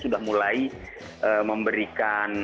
sudah mulai memberikan